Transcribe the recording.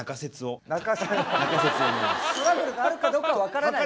トラブルがあるかどうかは分からないんですね？